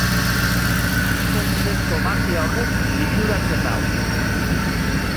Hitzen bidezko magia horrek liluratzen nau.